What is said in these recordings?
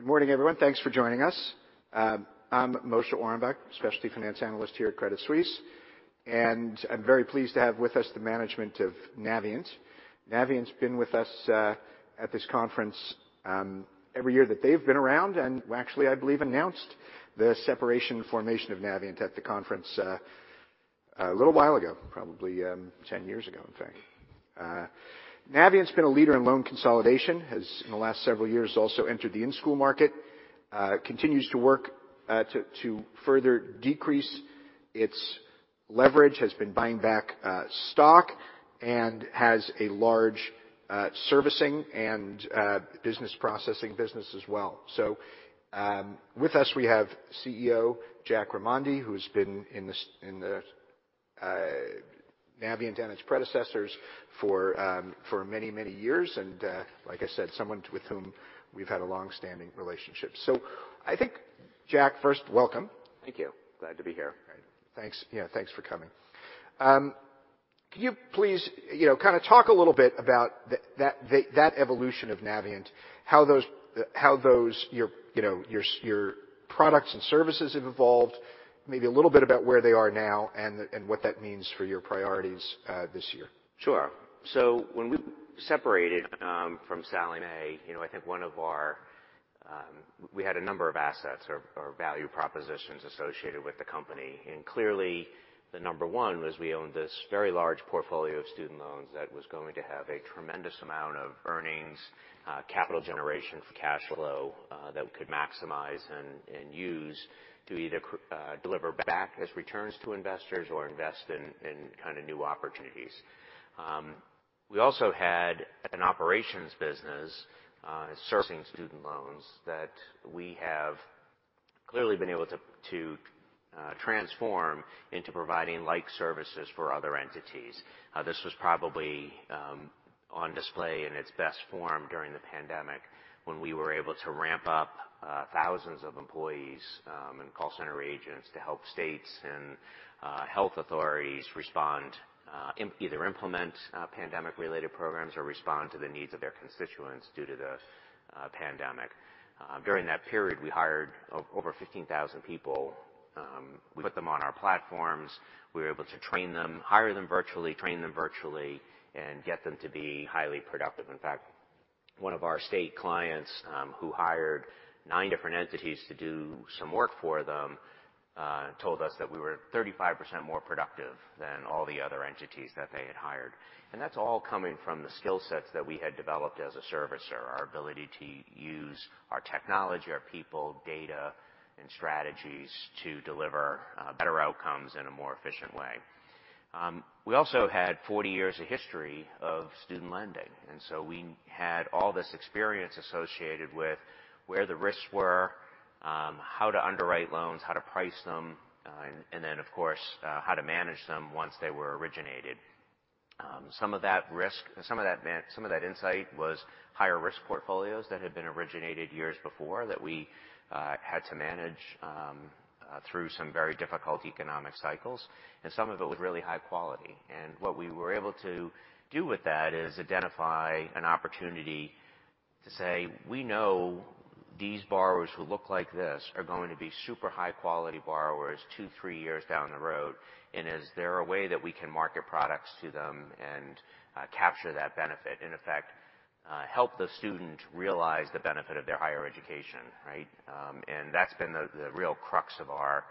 Good morning, everyone. Thanks for joining us. I'm Moshe Orenbuch specialty finance analyst here at Credit Suisse. I'm very pleased to have with us the management of Navient. Navient's been with us at this conference every year that they've been around, and who actually, I believe, announced the separation formation of Navient at the conference a little while ago, probably ten years ago, in fact. Navient's been a leader in loan consolidation. Has, in the last several years, also entered the in school market. Continues to work to further decrease its leverage, has been buying back stock, and has a large servicing and business processing business as well. With us, we have CEO Jack Remondi, who's been in the Navient and its predecessors for many, many years, and like I said, someone with whom we've had a long standing relationship. I think, Jack, first, welcome. Thank you. Glad to be here. Great. Thanks. Yeah, thanks for coming. Can you please, you know, kind of talk a little bit about that evolution of Navient, how those your, you know, your products and services have evolved, maybe a little bit about where they are now, and what that means for your priorities this year? Sure. When we separated, from Sallie Mae, you know, we had a number of assets or value propositions associated with the company. Clearly, the number one was we owned this very large portfolio of student loans that was going to have a tremendous amount of earnings, capital generation for cash flow, that we could maximize and use to either deliver back as returns to investors or invest in kind of new opportunities. We also had an operations business, servicing student loans that we have clearly been able to transform into providing like services for other entities. This was probably on display in its best form during the pandemic when we were able to ramp up thousands of employees and call center agents to help states and health authorities either implement pandemic related programs or respond to the needs of their constituents due to the pandemic. During that period, we hired over 15,000 people. We put them on our platforms. We were able to train them, hire them virtually, train them virtually, and get them to be highly productive. In fact, one of our state clients, who hired nine different entities to do some work for them, told us that we were 35% more productive than all the other entities that they had hired. That's all coming from the skill sets that we had developed as a servicer. Our ability to use our technology, our people, data, and strategies to deliver better outcomes in a more efficient way. We also had 40 years of history of student lending, and so we had all this experience associated with where the risks were, how to underwrite loans, how to price them, and then, of course, how to manage them once they were originated. Some of that insight was higher risk portfolios that had been originated years before that we had to manage through some very difficult economic cycles, and some of it was really high quality. What we were able to do with that is identify an opportunity to say, "We know these borrowers who look like this are going to be super high quality borrowers two, three years down the road. Is there a way that we can market products to them and capture that benefit, in effect, help the student realize the benefit of their higher education? Right? That's been the real crux of our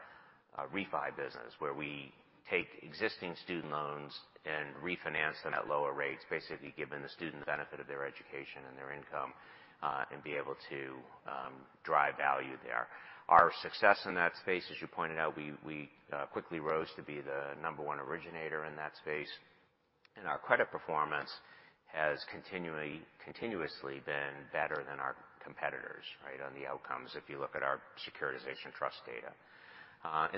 refi business, where we take existing student loans and refinance them at lower rates, basically giving the student the benefit of their education and their income, and be able to drive value there. Our success in that space, as you pointed out, we quickly rose to be the number one originator in that space, and our credit performance has continuously been better than our competitors, right? On the outcomes, if you look at our securitization trust data.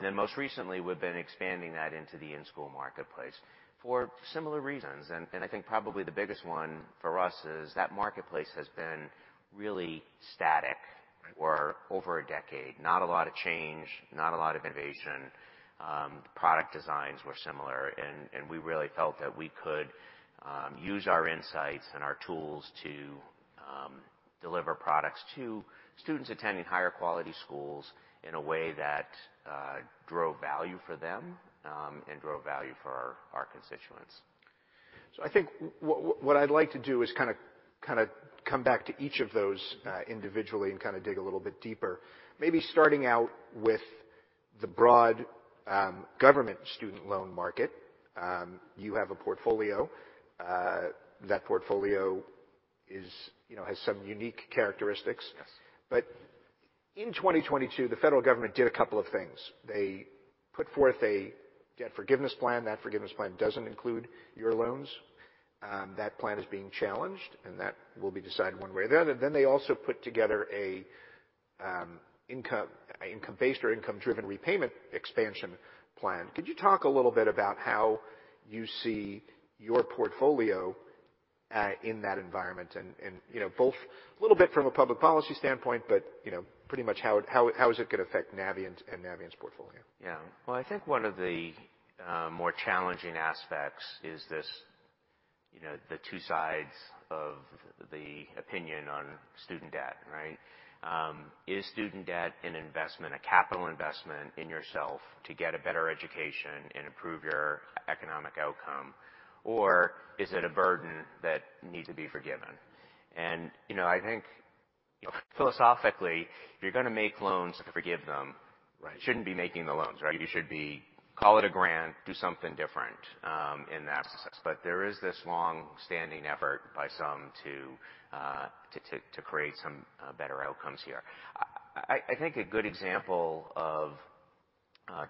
Then most recently, we've been expanding that into the in-school marketplace for similar reasons. I think probably the biggest one for us is that marketplace has been really static for over a decade. Not a lot of change, not a lot of innovation. Product designs were similar, and we really felt that we could use our insights and our tools to deliver products to students attending higher quality schools in a way that drove value for them, and drove value for our constituents. I think what I'd like to do is kinda come back to each of those individually and kinda dig a little bit deeper. Maybe starting out with the broad government student loan market. You have a portfolio. That portfolio is, you know, has some unique characteristics. Yes. In 2022, the federal government did a couple of things. They put forth a debt forgiveness plan. That forgiveness plan doesn't include your loans. That plan is being challenged, and that will be decided one way or the other. They also put together a income-based or income driven repayment expansion plan. Could you talk a little bit about how you see your portfolio in that environment? you know, both a little bit from a public policy standpoint, but, you know, pretty much how is it gonna affect Navient and Navient's portfolio? Yeah. Well, I think one of the more challenging aspects is, you know, the two sides of the opinion on student debt, right? Is student debt an investment, a capital investment in yourself to get a better education and improve your economic outcome? Or is it a burden that needs to be forgiven? You know, I think philosophically, if you're gonna make loans to forgive. Right. you shouldn't be making the loans, right? You should be call it a grant, do something different, in that sense. There is this long-standing effort by some to create some better outcomes here. I think a good example of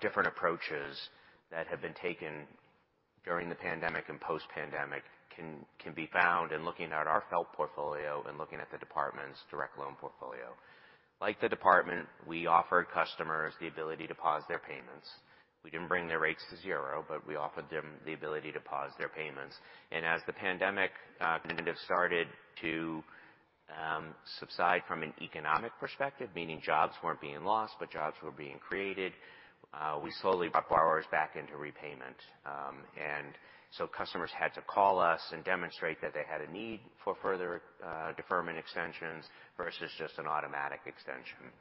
different approaches that have been taken during the pandemic and post-pandemic can be found in looking at our FFELP portfolio and looking at the department's direct loan portfolio. Like the department, we offered customers the ability to pause their payments. We didn't bring their rates to zero, but we offered them the ability to pause their payments. As the pandemic kind of started to subside from an economic perspective, meaning jobs weren't being lost, but jobs were being created, we slowly brought borrowers back into repayment. Customers had to call us and demonstrate that they had a need for further deferment extensions versus just an automatic extension.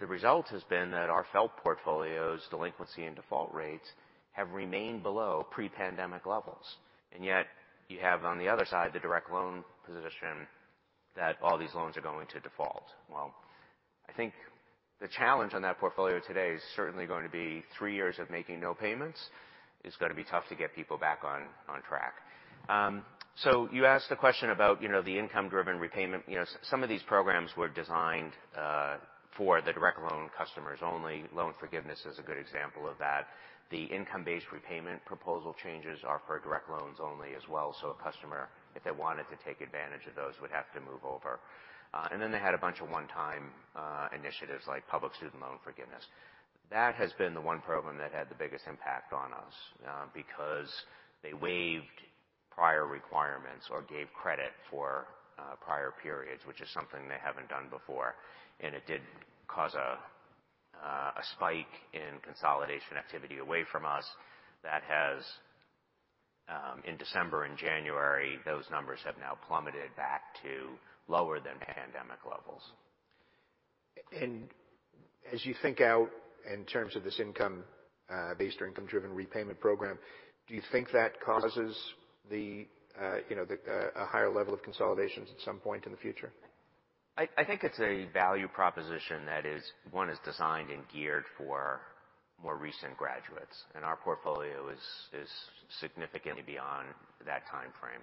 The result has been that our FFELP portfolio's delinquency and default rates have remained below pre-pandemic levels. You have on the other side, the direct loan position that all these loans are going to default. Well, I think the challenge on that portfolio today is certainly going to be three years of making no payments. It's gonna be tough to get people back on track. You asked the question about, you know, the income-driven repayment. You know, some of these programs were designed for the direct loan customers only. Loan forgiveness is a good example of that. The income-based repayment proposal changes are for direct loans only as well. A customer, if they wanted to take advantage of those, would have to move over. They had a bunch of one time initiatives like Public Service Loan Forgiveness. That has been the one program that had the biggest impact on us because they waived prior requirements or gave credit for prior periods, which is something they haven't done before. It did cause a spike in consolidation activity away from us that has in December and January, those numbers have now plummeted back to lower than pandemic levels. As you think out in terms of this income based or income-driven repayment program, do you think that causes the, you know, the a higher level of consolidations at some point in the future? I think it's a value proposition that is, one, is designed and geared for more recent graduates, and our portfolio is significantly beyond that timeframe.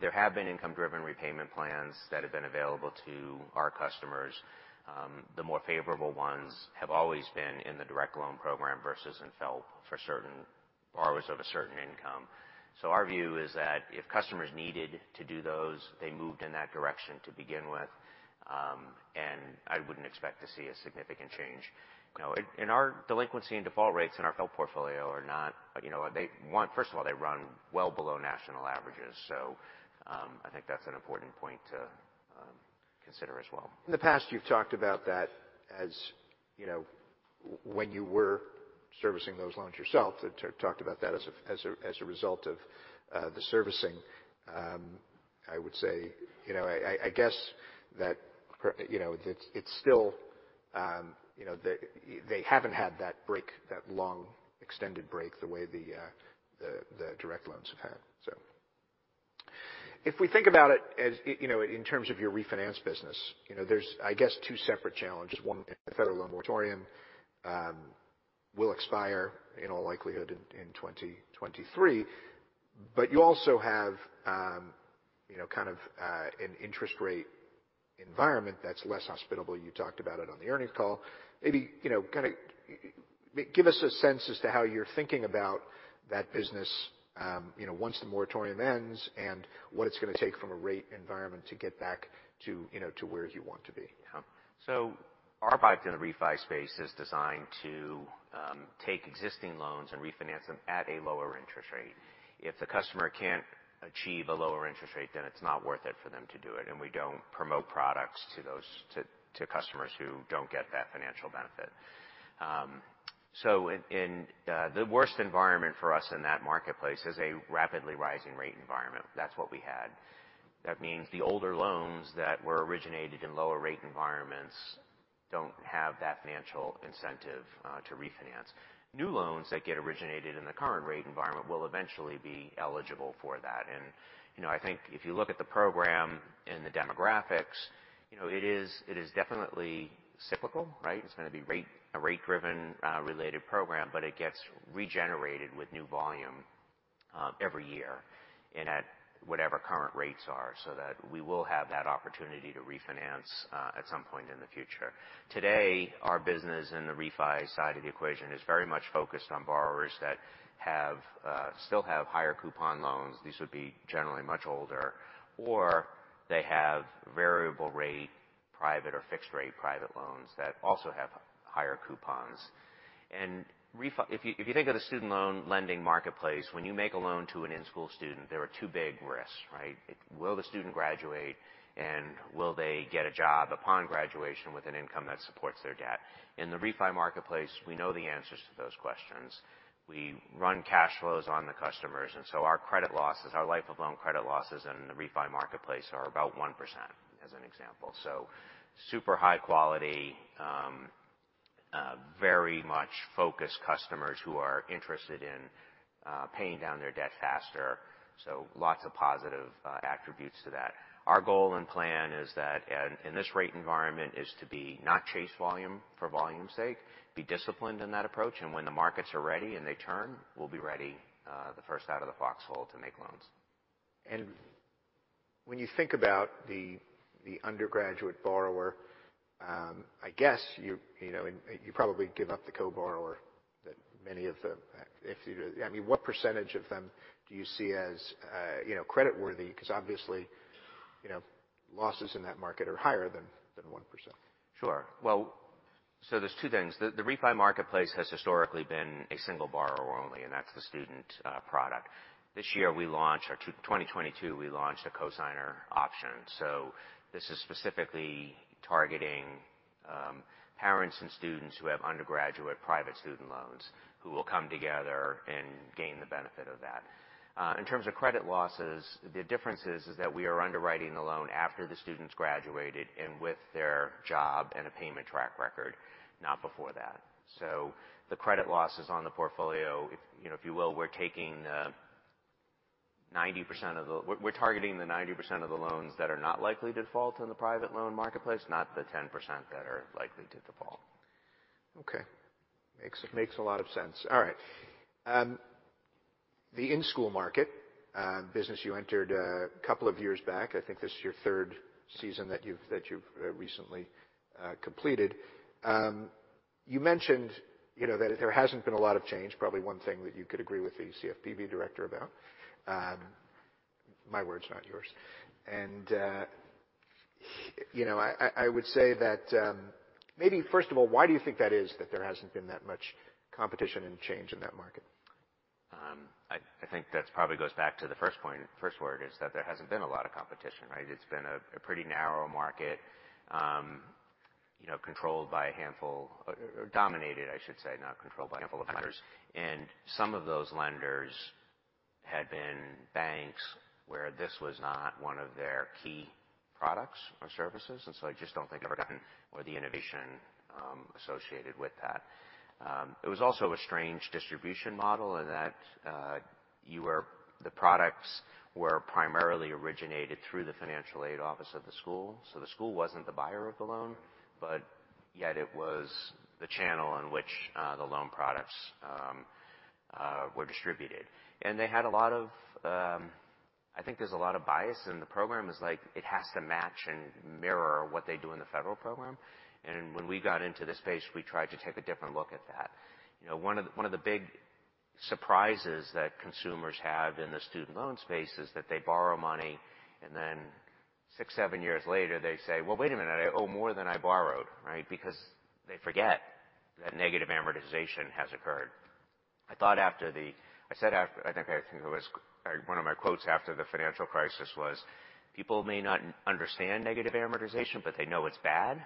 There have been income-driven repayment plans that have been available to our customers. The more favorable ones have always been in the direct loan program versus in FFELP for certain borrowers of a certain income. Our view is that if customers needed to do those, they moved in that direction to begin with. I wouldn't expect to see a significant change. You know, our delinquency and default rates in our FFELP portfolio are not, you know what, First of all, they run well below national averages. I think that's an important point to consider as well. In the past, you've talked about that as, you know, when you were servicing those loans yourself, talked about that as a result of the servicing. I would say, you know, I guess that, you know, it's still, you know, they haven't had that break, that long extended break the way the direct loans have had. If we think about it as, you know, in terms of your refinance business, you know, there's I guess two separate challenges. One, the federal loan moratorium will expire in all likelihood in 2023. You also have, you know, kind of an interest rate environment that's less hospitable. You talked about it on the earnings call. Maybe, you know, kind of give us a sense as to how you're thinking about that business, you know, once the moratorium ends and what it's gonna take from a rate environment to get back to, you know, to where you want to be. Our pipe in the refi space is designed to take existing loans and refinance them at a lower interest rate. If the customer can't achieve a lower interest rate, then it's not worth it for them to do it, and we don't promote products to those customers who don't get that financial benefit. In, in, the worst environment for us in that marketplace is a rapidly rising rate environment. That's what we had. That means the older loans that were originated in lower rate environments don't have that financial incentive to refinance. New loans that get originated in the current rate environment will eventually be eligible for that. You know, I think if you look at the program and the demographics, you know, it is, it is definitely cyclical, right? It's gonna be a rate driven related program, but it gets regenerated with new volume every year and at whatever current rates are so that we will have that opportunity to refinance at some point in the future. Today, our business in the refi side of the equation is very much focused on borrowers that have still have higher coupon loans. These would be generally much older, or they have variable rate private or fixed rate private loans that also have higher coupons. if you think of the student loan lending marketplace, when you make a loan to an in-school student, there are two big risks, right? Will the student graduate, and will they get a job upon graduation with an income that supports their debt? In the refi marketplace, we know the answers to those questions. We run cash flows on the customers. Our credit losses, our life of loan credit losses in the refi marketplace are about 1%, as an example. Super high quality, very much focused customers who are interested in paying down their debt faster. Lots of positive attributes to that. Our goal and plan is that, in this rate environment, is to be not chase volume for volume's sake, be disciplined in that approach, and when the markets are ready and they turn, we'll be ready, the first out of the foxhole to make loans. When you think about the undergraduate borrower, I guess you know, you probably give up the co-borrower that many of them, I mean, what percentage of them do you see as, you know, creditworthy? 'Cause obviously you know losses in that market are higher than 1%. Sure. Well, there's two things. The refi marketplace has historically been a single borrower only, and that's the student product. In 2022, we launched a cosigner option. This is specifically targeting parents and students who have undergraduate private student loans who will come together and gain the benefit of that. In terms of credit losses, the difference is that we are underwriting the loan after the student's graduated and with their job and a payment track record, not before that. The credit losses on the portfolio, if you know, if you will, we're targeting the 90% of the loans that are not likely to default in the private loan marketplace, not the 10% that are likely to default. Okay. Makes a lot of sense. All right. The in school market business you entered a couple of years back, I think this is your third season that you've recently completed. You mentioned, you know, that there hasn't been a lot of change, probably one thing that you could agree with the CFPB director about, my words, not yours. You know, I would say that maybe first of all, why do you think that is that there hasn't been that much competition and change in that market? I think that's probably goes back to the first point. First word is that there hasn't been a lot of competition, right? It's been a pretty narrow market, you know, controlled by a handful or dominated, I should say, not controlled by a handful of lenders. Some of those lenders had been banks where this was not one of their key products or services. I just don't think ever gotten or the innovation associated with that. It was also a strange distribution model in that the products were primarily originated through the financial aid office of the school. The school wasn't the buyer of the loan, but yet it was the channel in which the loan products were distributed. They had a lot of. I think there's a lot of bias in the program. It's like it has to match and mirror what they do in the federal program. When we got into the space, we tried to take a different look at that. You know, one of the big surprises that consumers have in the student loan space is that they borrow money, and then six, seven years later, they say, "Well, wait a minute, I owe more than I borrowed," right? They forget that negative amortization has occurred. I think it was one of my quotes after the financial crisis was, "People may not understand negative amortization, but they know it's bad.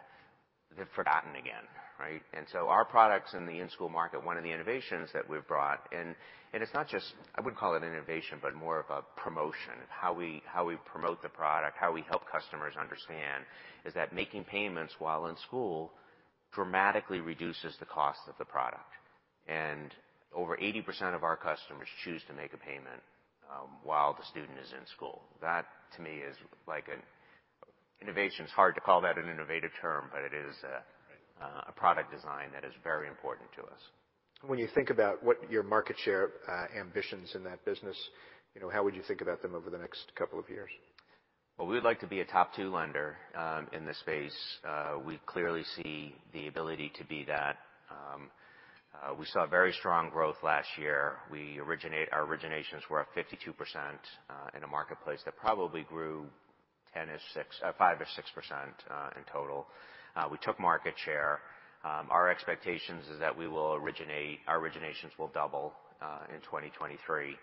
They've forgotten again." Right? Our products in the in-school market, one of the innovations that we've brought, and I wouldn't call it innovation, but more of a promotion of how we, how we promote the product, how we help customers understand, is that making payments while in school dramatically reduces the cost of the product. Over 80% of our customers choose to make a payment while the student is in school. That, to me, is like an innovation. It's hard to call that an innovative term, but it is. Right a product design that is very important to us. When you think about what your market share, ambitions in that business, you know, how would you think about them over the next couple of years? Well, we would like to be a top two lender in this space. We clearly see the ability to be that. We saw very strong growth last year. Our originations were up 52% in a marketplace that probably grew 5%-6% in total. We took market share. Our expectations is that our originations will double in 2023,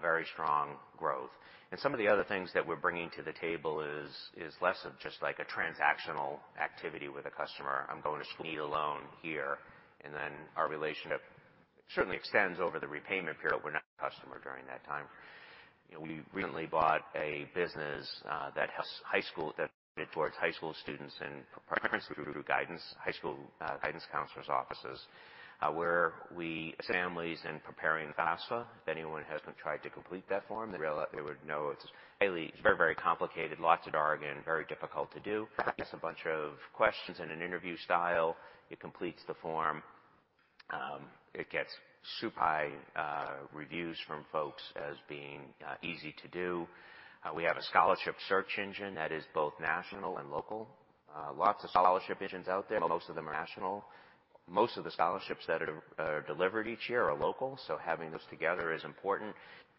very strong growth. Some of the other things that we're bringing to the table is less of just like a transactional activity with a customer. I'm going to school, need a loan here, our relationship certainly extends over the repayment period. We're not a customer during that time. You know, we recently bought a business that towards high school students and through guidance, high school guidance counselors' offices, where we families in preparing FAFSA. If anyone has been tried to complete that form, they would know it's highly very, very complicated, lots of jargon, very difficult to do. It's a bunch of questions in an interview style. It completes the form. It gets super high reviews from folks as being easy to do. We have a scholarship search engine that is both national and local. Lots of scholarship engines out there, but most of them are national. Most of the scholarships that are delivered each year are local, having those together is important.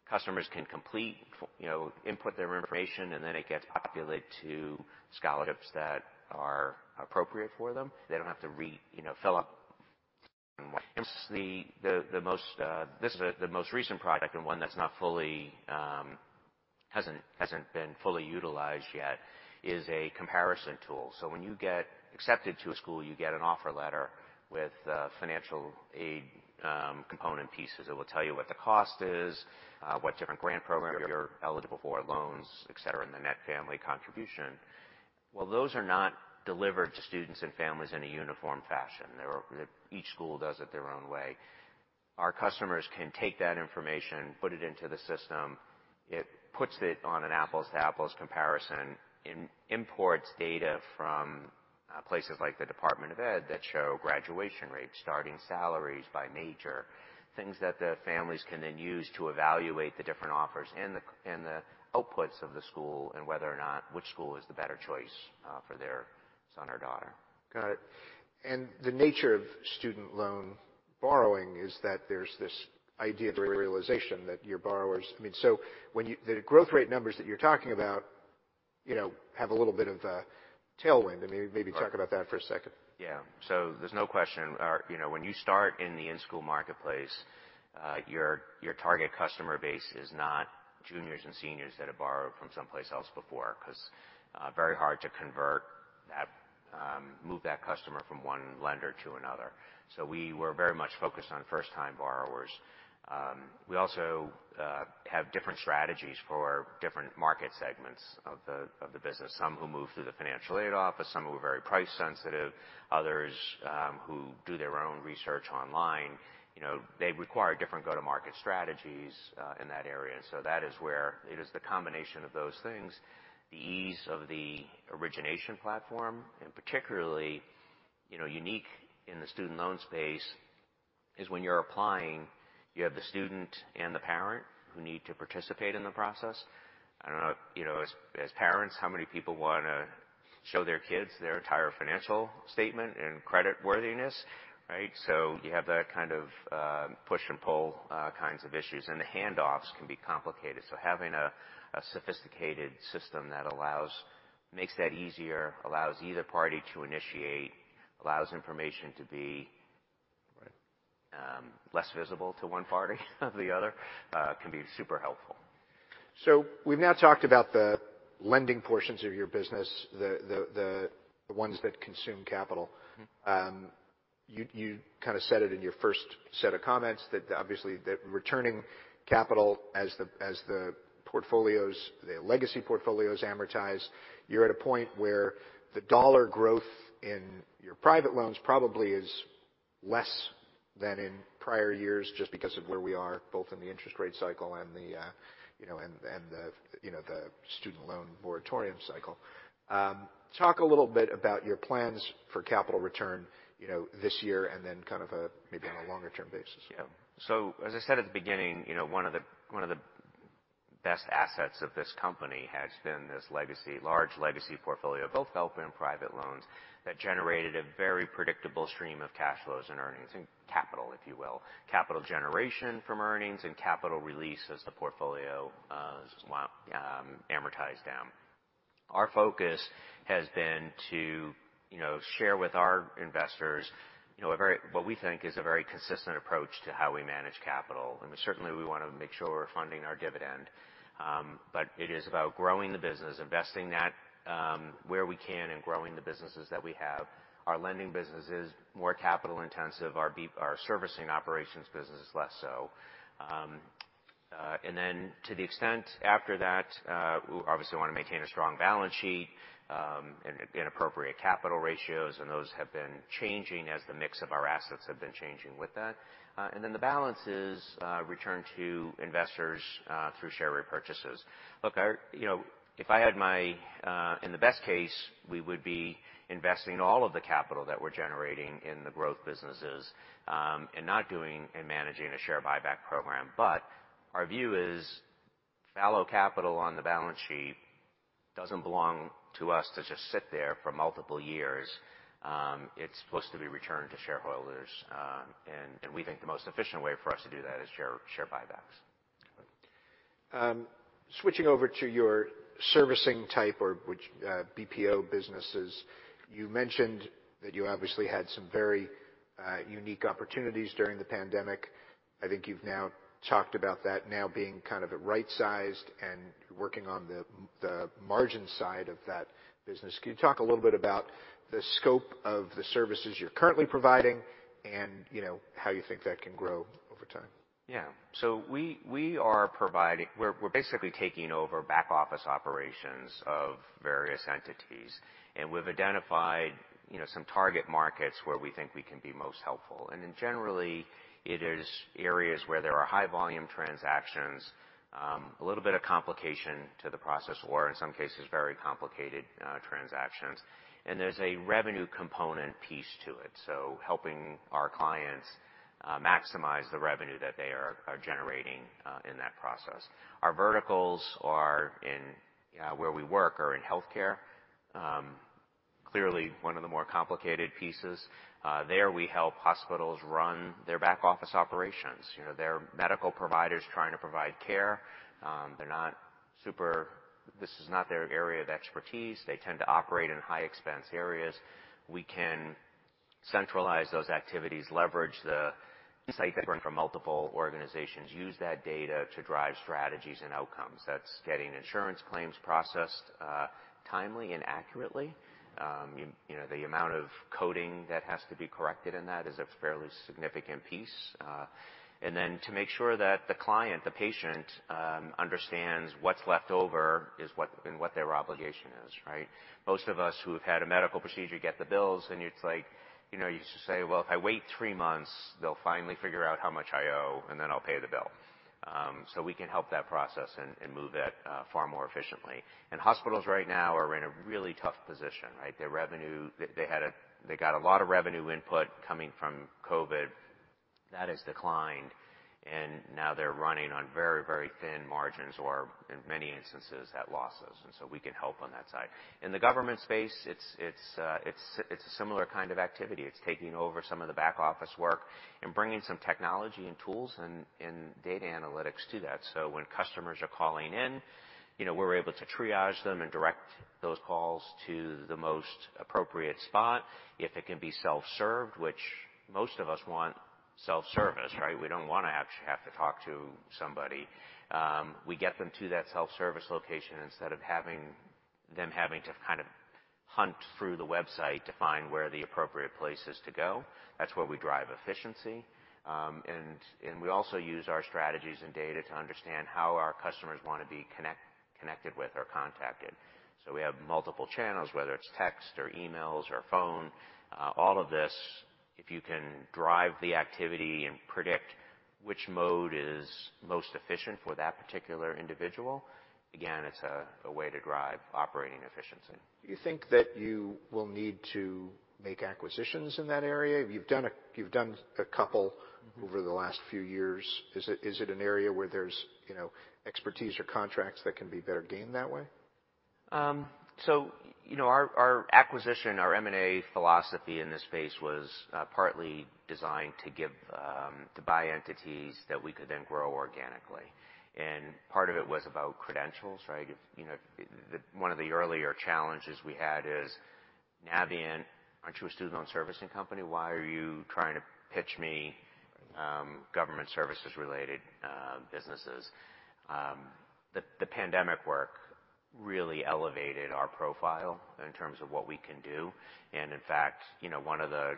Customers can complete you know, input their information, and then it gets populated to scholarships that are appropriate for them. They don't have to you know, fill out And what- The most recent product and one that hasn't been fully utilized yet, is a comparison tool. When you get accepted to a school, you get an offer letter with financial aid component pieces. It will tell you what the cost is, what different grant programs you're eligible for loans, et cetera, and the net family contribution. Well, those are not delivered to students and families in a uniform fashion. Each school does it their own way. Our customers can take that information, put it into the system. It puts it on an apples to apples comparison, imports data from places like the Department of Ed that show graduation rates, starting salaries by major, things that the families can then use to evaluate the different offers and the and the outputs of the school and whether or not which school is the better choice for their son or daughter. Got it. The nature of student loan borrowing is that there's this idea of realization that your borrowers-- I mean, so the growth rate numbers that you're talking about, you know, have a little bit of a tailwind. Maybe talk about that for a second. Yeah. There's no question. You know, when you start in the in-school marketplace, your target customer base is not juniors and seniors that have borrowed from someplace else before 'cause, very hard to convert that, move that customer from one lender to another. We were very much focused on first time borrowers. We also, have different strategies for different market segments of the, of the business, some who move through the financial aid office, some who are very price sensitive, others, who do their own research online. You know, they require different go to market strategies, in that area. That is where it is the combination of those things, the ease of the origination platform, and particularly, you know, unique in the student loan space is when you're applying, you have the student and the parent who need to participate in the process. I don't know if, you know, as parents, how many people wanna show their kids their entire financial statement and credit worthiness, right? You have that kind of push and pull kinds of issues, and the handoffs can be complicated. Having a sophisticated system that makes that easier, allows either party to initiate, allows information to be- Right less visible to one party than the other, can be super helpful. we've now talked about the lending portions of your business, the ones that consume capital. Mm-hmm. You, you kinda said it in your first set of comments that obviously the returning capital as the portfolios, the legacy portfolios amortize, you're at a point where the dollar growth in your private loans probably is less than in prior years just because of where we are both in the interest rate cycle and the, you know, and the, you know, the student loan moratorium cycle. Talk a little bit about your plans for capital return, you know, this year and then kind of. Yeah. Maybe on a longer term basis. Yeah. As I said at the beginning, you know, one of the best assets of this company has been this legacy, large legacy portfolio of both FFELP and private loans that generated a very predictable stream of cash flows and earnings and capital, if you will, capital generation from earnings and capital release as the portfolio is amortized down. Our focus has been to, you know, share with our investors, you know, what we think is a very consistent approach to how we manage capital. Certainly we wanna make sure we're funding our dividend. It is about growing the business, investing that where we can, and growing the businesses that we have. Our lending business is more capital intensive. Our servicing operations business is less so. To the extent after that, we obviously wanna maintain a strong balance sheet, and appropriate capital ratios, and those have been changing as the mix of our assets have been changing with that. The balance is returned to investors through share repurchases. Look, You know, if I had my... In the best case, we would be investing all of the capital that we're generating in the growth businesses, and not doing and managing a share buyback program. Our view is fallow capital on the balance sheet doesn't belong to us to just sit there for multiple years. It's supposed to be returned to shareholders. We think the most efficient way for us to do that is share buybacks. Okay. Switching over to your servicing type or which BPS businesses, you mentioned that you obviously had some very unique opportunities during the pandemic. I think you've now talked about that now being kind of right sized and working on the margin side of that business. Can you talk a little bit about the scope of the services you're currently providing and, you know, how you think that can grow over time? Yeah. We're basically taking over back-office operations of various entities, and we've identified, you know, some target markets where we think we can be most helpful. Generally, it is areas where there are high volume transactions, a little bit of complication to the process or in some cases, very complicated transactions. There's a revenue component piece to it, so helping our clients maximize the revenue that they are generating in that process. Our verticals are in where we work are in healthcare. Clearly one of the more complicated pieces. There we help hospitals run their back-office operations. You know, their medical providers trying to provide care. This is not their area of expertise. They tend to operate in high-expense areas. We can centralize those activities, leverage the insight that run from multiple organizations, use that data to drive strategies and outcomes. That's getting insurance claims processed, timely and accurately. You know, the amount of coding that has to be corrected in that is a fairly significant piece. Then to make sure that the client, the patient, understands what's left over is and what their obligation is, right? Most of us who have had a medical procedure get the bills, and it's like, you know, you say, "Well, if I wait three months, they'll finally figure out how much I owe, and then I'll pay the bill." We can help that process and move that far more efficiently. Hospitals right now are in a really tough position, right? They got a lot of revenue input coming from COVID. That has declined, and now they're running on very, very thin margins or, in many instances, at losses. We can help on that side. In the government space, it's a similar kind of activity. It's taking over some of the back office work and bringing some technology and tools and data analytics to that. When customers are calling in, you know, we're able to triage them and direct those calls to the most appropriate spot. If it can be self-served, which most of us want self-service, right? We don't wanna actually have to talk to somebody. We get them to that self service location instead of them having to kind of hunt through the website to find where the appropriate place is to go. That's where we drive efficiency. We also use our strategies and data to understand how our customers wanna be connected with or contacted. We have multiple channels, whether it's text or emails or phone. All of this, if you can drive the activity and predict which mode is most efficient for that particular individual, again, it's a way to drive operating efficiency. Do you think that you will need to make acquisitions in that area? You've done a couple over the last few years. Is it an area where there's, you know, expertise or contracts that can be better gained that way? You know, our acquisition, our M&A philosophy in this space was partly designed to buy entities that we could then grow organically. Part of it was about credentials, right? If, you know, one of the earlier challenges we had is Navient, "Aren't you a student loan servicing company? Why are you trying to pitch me government services related businesses?" The pandemic work really elevated our profile in terms of what we can do. In fact, you know, one of the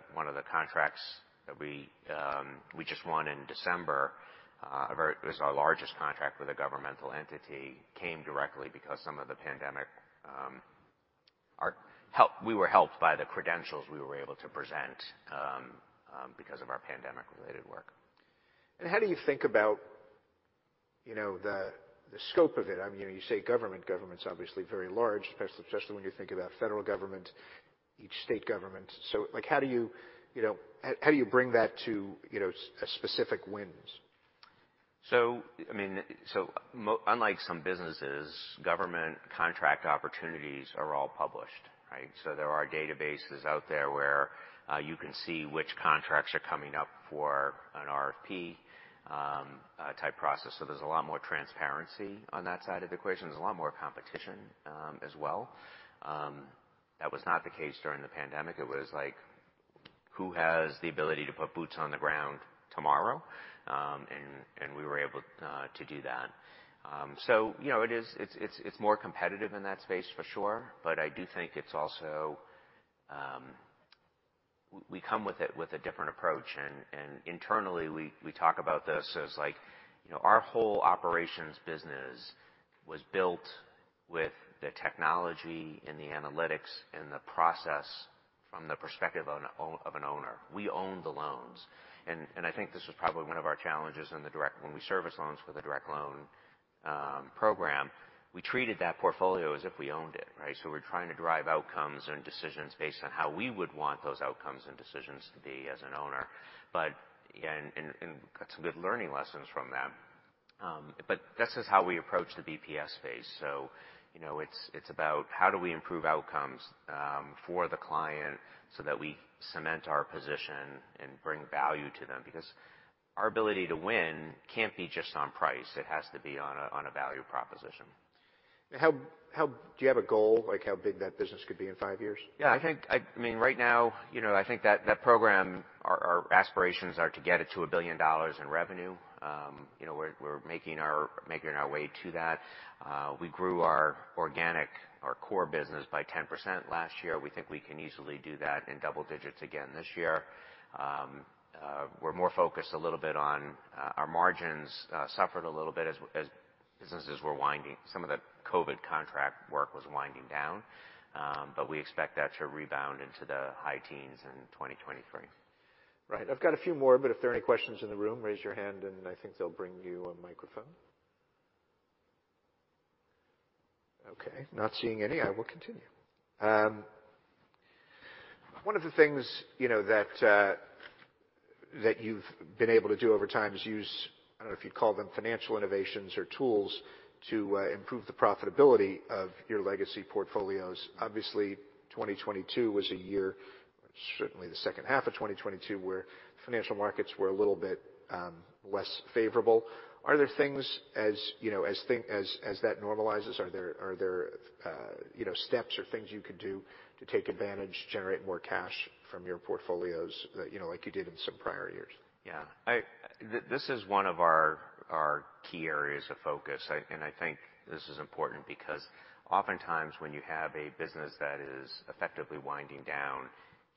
contracts that we just won in December, it was our largest contract with a governmental entity, came directly because some of the pandemic we were helped by the credentials we were able to present because of our pandemic-related work. How do you think about, you know, the scope of it? I mean, you say government. Government's obviously very large, especially when you think about federal government, each state government. Like, how do you know, how do you bring that to, you know, specific wins? I mean, unlike some businesses, government contract opportunities are all published, right? There are databases out there where you can see which contracts are coming up for an RFP type process. There's a lot more transparency on that side of the equation. There's a lot more competition as well. That was not the case during the pandemic. It was like, who has the ability to put boots on the ground tomorrow? And we were able to do that. You know, it's more competitive in that space for sure, but I do think it's also. We come with it with a different approach, internally we talk about this as like, you know, our whole operations business was built with the technology and the analytics and the process from the perspective of an owner. We own the loans. I think this was probably one of our challenges when we service loans for the direct loan program, we treated that portfolio as if we owned it, right? We're trying to drive outcomes and decisions based on how we would want those outcomes and decisions to be as an owner. Got some good learning lessons from that. This is how we approach the BPS space. You know, it's about how do we improve outcomes for the client so that we cement our position and bring value to them? Because our ability to win can't be just on price. It has to be on a, on a value proposition. Do you have a goal, like how big that business could be in five years? Yeah, I mean, right now, you know, I think that program, our aspirations are to get it to $1 billion in revenue. You know, we're making our way to that. We grew our organic, our core business by 10% last year. We think we can easily do that in double digits again this year. We're more focused a little bit on our margins suffered a little bit as some of the COVID contract work was winding down. We expect that to rebound into the high teens in 2023. Right. I've got a few more, but if there are any questions in the room, raise your hand, and I think they'll bring you a microphone. Okay, not seeing any. I will continue. One of the things, you know, that you've been able to do over time is use, I don't know if you call them financial innovations or tools to improve the profitability of your legacy portfolios. Obviously, 2022 was a year, certainly the second half of 2022, where financial markets were a little bit less favorable. Are there things as, you know, as that normalizes, are there, you know, steps or things you could do to take advantage, generate more cash from your portfolios that, you know, like you did in some prior years? Yeah. This is one of our key areas of focus. I think this is important because oftentimes when you have a business that is effectively winding down,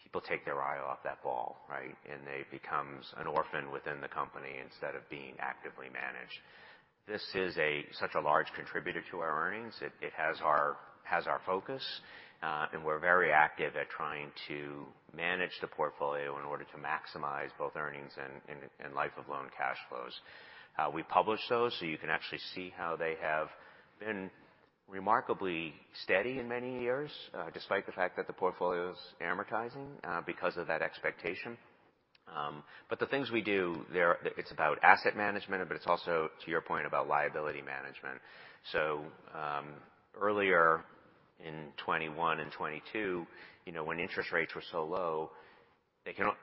people take their eye off that ball, right? It becomes an orphan within the company instead of being actively managed. This is a such a large contributor to our earnings. It has our focus, and we're very active at trying to manage the portfolio in order to maximize both earnings and life of loan cash flows. We publish those, so you can actually see how they have been remarkably steady in many years, despite the fact that the portfolio's amortizing, because of that expectation. The things we do there, it's about asset management, but it's also to your point about liability management. Earlier in 21 and 22, you know, when interest rates were so low, they cannot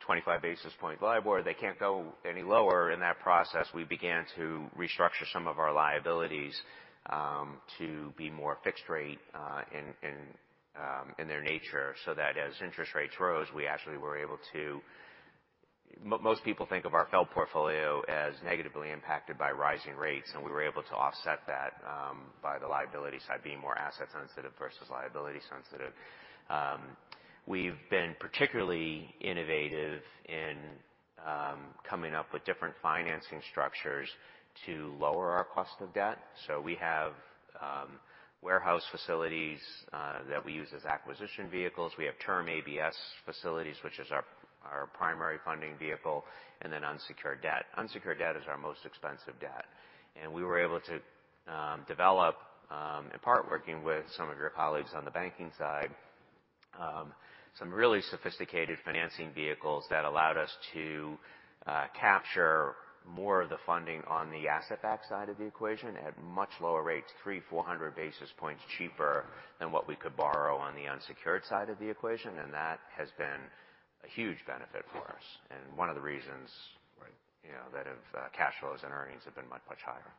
25 basis point LIBOR, they can't go any lower. In that process, we began to restructure some of our liabilities to be more fixed rate in their nature, so that as interest rates rose, we actually were able to. Most people think of our FFELP portfolio as negatively impacted by rising rates, and we were able to offset that by the liability side being more asset sensitive versus liability sensitive. We've been particularly innovative in coming up with different financing structures to lower our cost of debt. We have warehouse facilities that we use as acquisition vehicles. We have term ABS facilities, which is our primary funding vehicle, and then unsecured debt. Unsecured debt is our most expensive debt. We were able to develop in part working with some of your colleagues on the banking side, some really sophisticated financing vehicles that allowed us to capture more of the funding on the asset back side of the equation at much lower rates, 300-400 basis points cheaper than what we could borrow on the unsecured side of the equation. That has been a huge benefit for us, and one of the reasons- Right. You know, that have, cash flows and earnings have been much, much higher.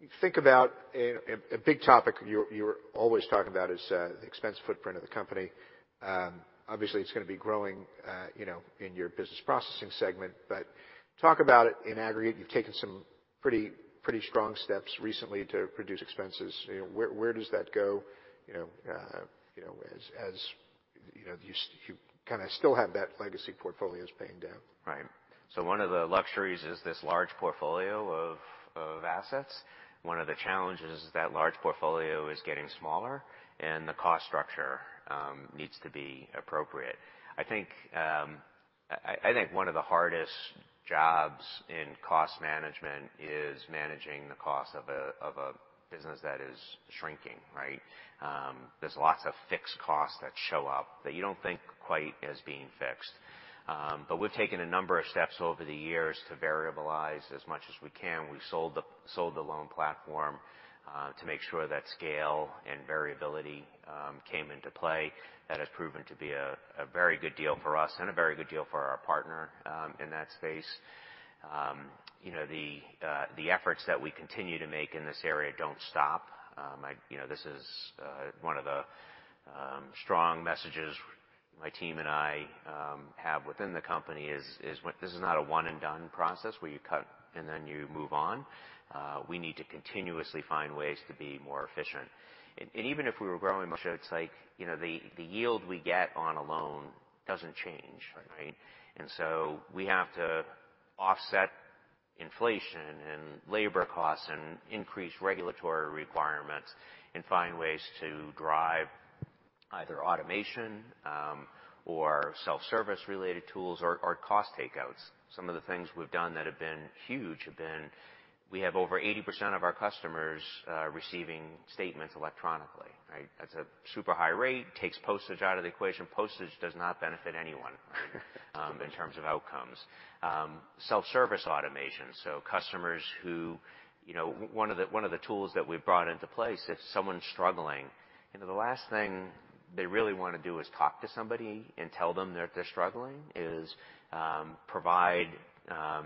You think about a big topic you're always talking about is the expense footprint of the company. Obviously it's gonna be growing, you know, in your business processing segment. Talk about it in aggregate, you've taken some pretty strong steps recently to reduce expenses. You know, where does that go, you know, as you kind of still have that legacy portfolios paying down? Right. One of the luxuries is this large portfolio of assets. One of the challenges is that large portfolio is getting smaller, and the cost structure needs to be appropriate. I think one of the hardest jobs in cost management is managing the cost of a business that is shrinking, right? There's lots of fixed costs that show up that you don't think quite as being fixed. We've taken a number of steps over the years to variabilize as much as we can. We sold the loan platform to make sure that scale and variability came into play. That has proven to be a very good deal for us and a very good deal for our partner in that space. You know, the efforts that we continue to make in this area don't stop. I, you know, this is one of the strong messages my team and I have within the company is, this is not a one-and-done process where you cut and then you move on. We need to continuously find ways to be more efficient. Even if we were growing much, it's like, you know, the yield we get on a loan doesn't change, right? We have to offset inflation and labor costs and increase regulatory requirements and find ways to drive either automation or self-service related tools or cost takeouts. Some of the things we've done that have been huge have been, we have over 80% of our customers receiving statements electronically, right? That's a super high rate, takes postage out of the equation. Postage does not benefit anyone, right? In terms of outcomes. Self-service automation. Customers who, you know, one of the tools that we've brought into place, if someone's struggling, you know, the last thing they really wanna do is talk to somebody and tell them that they're struggling, is, provide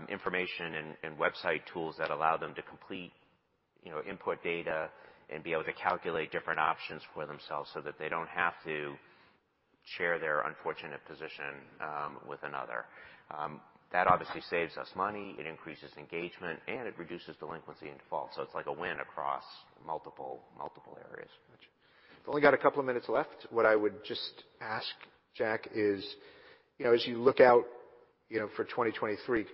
information and website tools that allow them to complete, you know, input data and be able to calculate different options for themselves so that they don't have to share their unfortunate position with another. That obviously saves us money, it increases engagement, and it reduces delinquency and default. It's like a win across multiple areas. Gotcha. We've only got a couple of minutes left. What I would just ask, Jack, is, you know, as you look out, you know, for 2023, just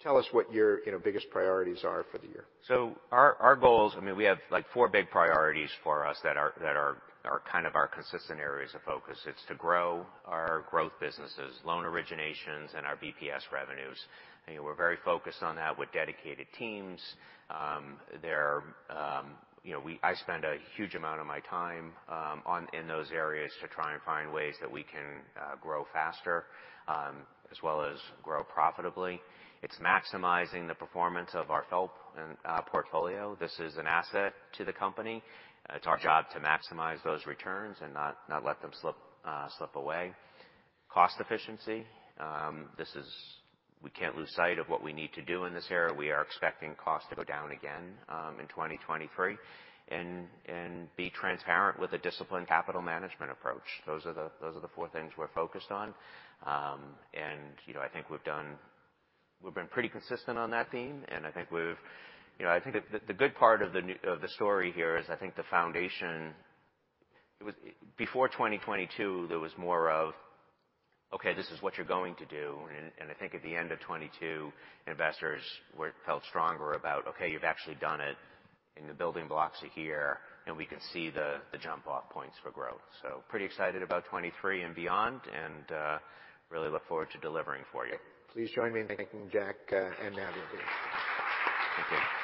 tell us what your, you know, biggest priorities are for the year? Our goals, I mean, we have like four big priorities for us that are kind of our consistent areas of focus. It's to grow our growth businesses, loan originations, and our BPS revenues. You know, we're very focused on that with dedicated teams. There are, you know, I spend a huge amount of my time on in those areas to try and find ways that we can grow faster as well as grow profitably. It's maximizing the performance of our FFELP and portfolio. This is an asset to the company. It's our job to maximize those returns and not let them slip away. Cost efficiency. We can't lose sight of what we need to do in this area. We are expecting costs to go down again in 2023. Be transparent with a disciplined capital management approach. Those are the four things we're focused on. you know, I think we've been pretty consistent on that theme, and I think we've. You know, I think the good part of the story here is I think the foundation. Before 2022, there was more of, "Okay, this is what you're going to do." I think at the end of 2022, investors felt stronger about, "Okay, you've actually done it, and the building blocks are here, and we can see the jump off points for growth." Pretty excited about 2023 and beyond, really look forward to delivering for you. Please join me in thanking Jack and Matthew. Thank you.